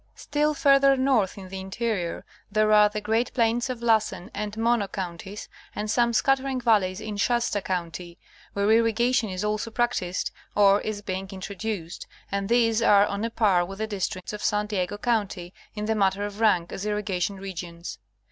Still further north, in the interior, there are the great plains of Lassen and Mono counties, and some scattering valleys in Shasta county, where Irrigation in California. 279 irrigation is also practiced or is being introduced, and these are on a par with the districts of San Diego county, in the matter of rank as irrigation regions.